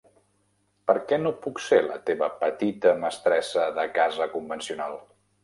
Per què no puc ser la teva petita mestressa de casa convencional?